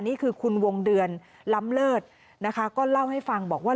นี่คือคุณวงเดือนล้ำเลิศนะคะก็เล่าให้ฟังบอกว่า